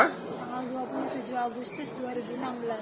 tanggal dua puluh tujuh agustus dua ribu enam belas